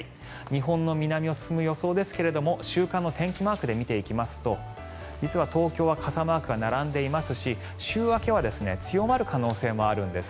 日本の南を進む予想ですが週間の天気マークで見ていきますと、実は東京は傘マークが並んでいますし週明けは強まる可能性もあるんです。